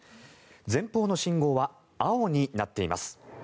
前方の信号は青になっています。